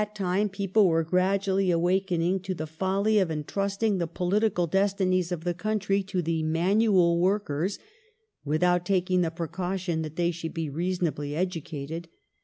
400 NATIONAL EDUCATION [1833 people were gradually awakening to the folly of entrusting the political destinies of the countiy to the manual workers, without taking the precaution that they should be reasonably educated.